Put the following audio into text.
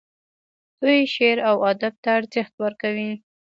دوی شعر او ادب ته ارزښت ورکوي.